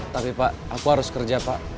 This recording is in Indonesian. tapi pak aku harus kerja pak